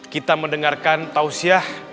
kita mendengarkan tausiyah